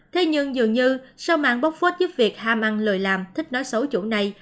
thế nhưng dường như sau màn bóc phốt giúp việc ham ăn lười làm thích nói xấu chủ này